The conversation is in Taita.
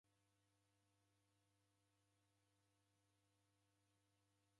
Makongo ghamu gha idime ndeghine w'uhoreshi.